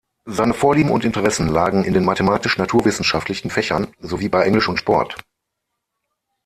Seine Vorlieben und Interessen lagen in den mathematisch-naturwissenschaftlichen Fächern, sowie bei Englisch und Sport.